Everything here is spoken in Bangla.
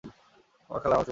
আমার খালা, আমার ফুপু।